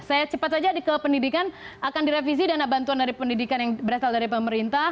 saya cepat saja ke pendidikan akan direvisi dana bantuan dari pendidikan yang berasal dari pemerintah